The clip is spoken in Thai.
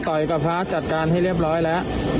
ต้องสู้จริงนะต้องสู้เลยนะ